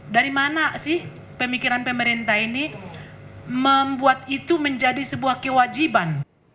dari mana sih pemikiran pemerintah ini membuat itu menjadi sebuah kewajiban